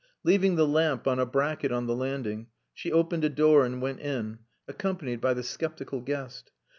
Leaving the lamp on a bracket on the landing, she opened a door, and went in, accompanied by the sceptical guest.